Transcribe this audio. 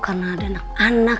karena ada anak anak